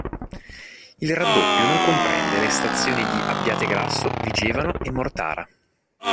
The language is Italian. Il raddoppio non comprende le stazioni di Abbiategrasso, Vigevano e Mortara.